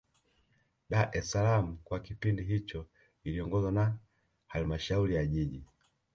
dar es salaam kwa kipindi hicho iliongozwa na halmashauri ya jiji